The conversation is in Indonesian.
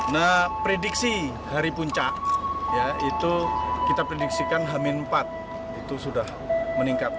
nah prediksi hari puncak ya itu kita prediksikan hamin empat itu sudah meningkat